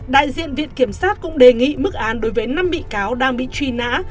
đại diện viện kiểm sát cũng đề nghị mức án đối với năm bị cáo đang bị truy nã